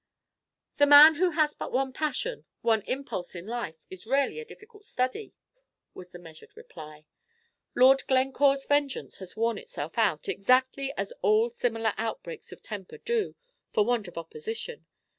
"The man who has but one passion, one impulse in life, is rarely a difficult study," was the measured reply. "Lord Glencore's vengeance has worn itself out, exactly as all similar outbreaks of temper do, for want of opposition.